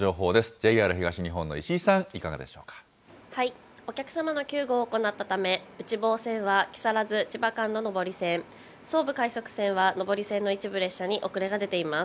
ＪＲ東日本の石井さん、いかがでお客様の救護を行ったため、内房線は木更津・千葉間の上り線、総武快速線は上り線の一部列車に遅れが出ています。